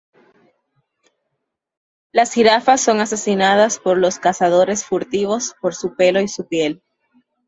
Las jirafas son asesinadas por los cazadores furtivos por su pelo y su piel.